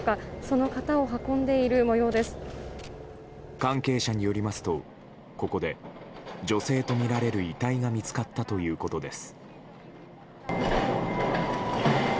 関係者によりますとここで、女性とみられる遺体が見つかったということです。